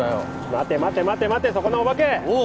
待て待て待て待てそこのオバケおい！